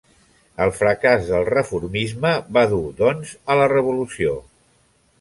El fracàs del reformisme va dur, doncs, a la Revolució.